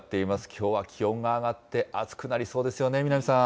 きょうは気温が上がって、暑くなりそうですよね、南さん。